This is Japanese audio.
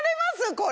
これ。